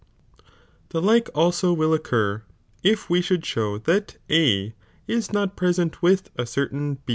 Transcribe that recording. The like also will ' occur, if we should show that A is not present with a certain